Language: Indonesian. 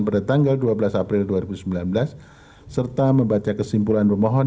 pada tanggal dua belas april dua ribu sembilan belas serta membaca kesimpulan pemohon